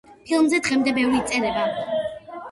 ფილმზე დღემდე ბევრი იწერება.